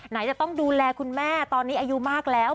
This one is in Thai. ไหนจะต้องดูแลคุณแม่ตอนนี้อายุมากแล้ว